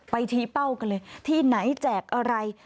ชี้เป้ากันเลยที่ไหนแจกอะไร